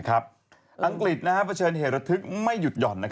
อังกฤษเผชิญเหตุระทึกไม่หยุดหย่อน